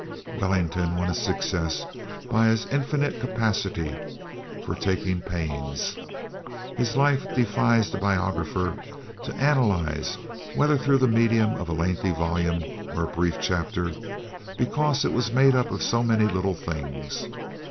Wellington won his success by his infinite capacity for taking pains. His life defies the biographer to analyze, whether through the medium of a lengthy volume or a brief chapter because it was made up of so many little things.